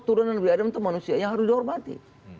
turunan bani adam itu manusia yang harus dihormati